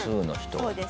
そうです。